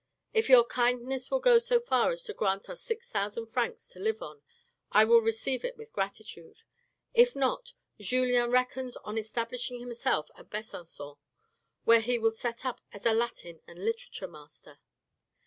If your kindness will go so far as to grant us six thousand francs to live on, I will receive it with gratitude ; if not, Julien reckons on establishing himself at Besancon, where he will set up as a Latin and literature master.